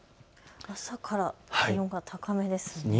朝から気温が高めですね。